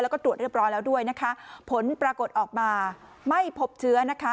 แล้วก็ตรวจเรียบร้อยแล้วด้วยนะคะผลปรากฏออกมาไม่พบเชื้อนะคะ